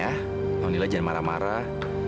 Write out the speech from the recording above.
alhamdulillah jangan marah marah